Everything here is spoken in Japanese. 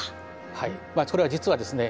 はいそれは実はですね